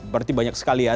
berarti banyak sekali ya